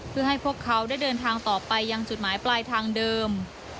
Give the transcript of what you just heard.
เพื่อให้พวกเขาได้เดินทางต่อไปยังจุดหมายปลายทางเดิม